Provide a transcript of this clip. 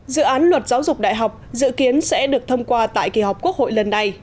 dự án luật giáo dục đại học dự kiến sẽ được thông qua tại kỳ họp quốc hội lần này